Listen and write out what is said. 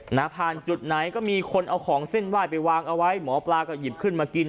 หน้าผ่านจุดไหนก็มีคนเอาของเส้นไหว้ไปวางเอาไว้หมอปลาก็หยิบขึ้นมากิน